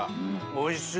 おいしい！